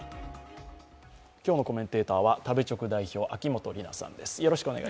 今日のコメンテーターは食べチョク代表・秋元里奈さんです